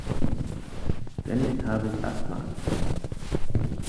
Ständig habe ich Asthmaanfälle.